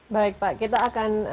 baik pak kita akan